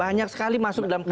banyak sekali masuk dalam